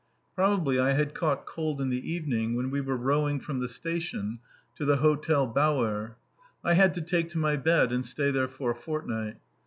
Probably I had caught cold in the evening when we were rowing from the station to the Hotel Bauer. I had to take to my bed and stay there for a fortnight.